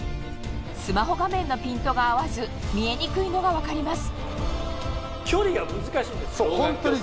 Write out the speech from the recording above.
スマホ画面のピントが合わず見えにくいのが分かります